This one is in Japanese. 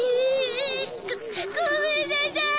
ごめんなさい！